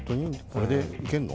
これでいけんの？